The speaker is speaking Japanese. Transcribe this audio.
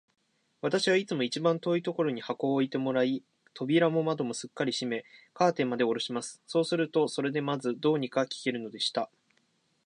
私はいつも一番遠いところに箱を置いてもらい、扉も窓もすっかり閉め、カーテンまでおろします。そうすると、それでまず、どうにか聞けるのでした。